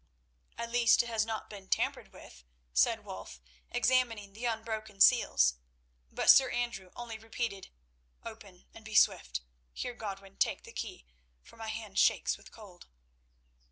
"At least it has not been tampered with," said Wulf, examining the unbroken seals, but Sir Andrew only repeated: "Open, and be swift. Here, Godwin, take the key, for my hand shakes with cold."